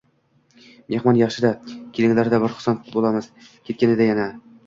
Mehmon yaxshi-da! Kelganida bir xursand bo’lasiz, ketganida – yana.